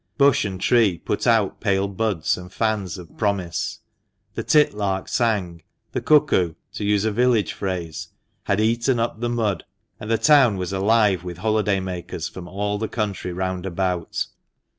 Bush and tree put out pale buds and fans of promise. The tit lark sang, the cuckoo — to use a village phrase — had " eaten up the mud ;" and the town was alive with holiday makers from all the country round about.